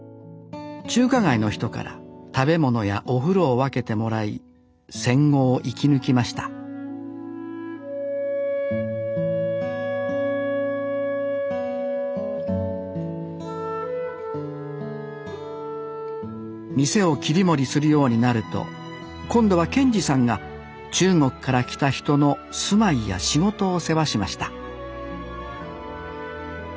中華街の人から食べ物やお風呂を分けてもらい戦後を生き抜きました店を切り盛りするようになると今度は賢次さんが中国から来た人の住まいや仕事を世話しました